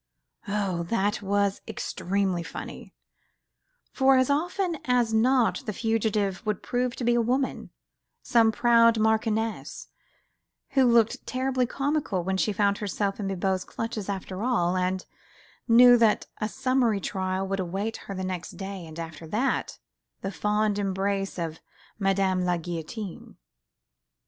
Oh! that was extremely funny, for as often as not the fugitive would prove to be a woman, some proud marchioness, who looked terribly comical when she found herself in Bibot's clutches after all, and knew that a summary trial would await her the next day and after that, the fond embrace of Madame la Guillotine.